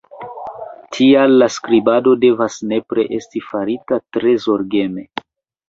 Tial la skribado devas nepre esti farita tre zorgeme.